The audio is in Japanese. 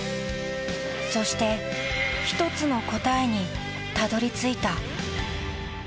そして１つの答えにたどり着いた